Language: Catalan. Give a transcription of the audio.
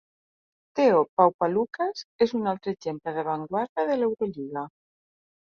Theo Papaloukas és un altre exemple d'avantguarda de l'Eurolliga.